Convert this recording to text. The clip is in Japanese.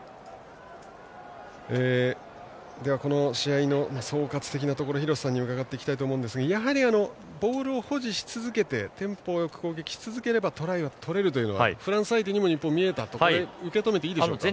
この試合の総括的なところ廣瀬さんに伺っていきたいですがやはりボールを保持し続けてテンポよく攻撃し続ければトライは取れるというのはフランスサイドにも見えたと受け止めていいでしょうか。